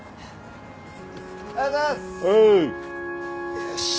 よし。